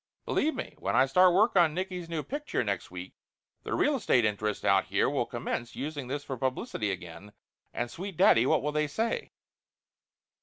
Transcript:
Believe me, when I start work on Nicky's new picture next week the real estate interests out here will commence using this for publicity again, and, sweet daddy, what will they say